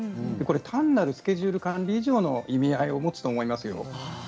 単なるスケジュール管理以上の意味合いを持つと思いますよ。